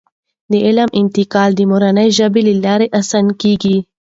د علم انتقال د مورنۍ ژبې له لارې اسانه کیږي.